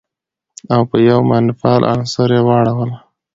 او په يوه منفعل عنصر يې واړوله.